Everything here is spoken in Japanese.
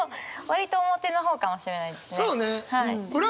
割と表の方かもしれないですね。